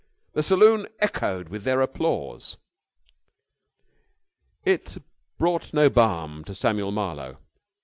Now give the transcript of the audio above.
The saloon echoed with their applause. It brought no balm to Samuel Marlowe.